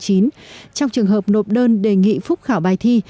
trong trường hợp nộp đơn đề nghị phúc khảo bài thi